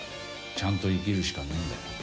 ちゃんと生きるしかねえんだよ。